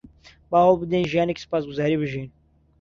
با هەوڵ بدەین ژیانێکی سوپاسگوزاری بژین.